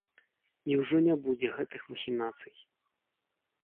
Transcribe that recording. І ўжо не будзе гэтых махінацый.